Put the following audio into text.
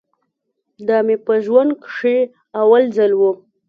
دا مې په ژوند کښې اول ځل و.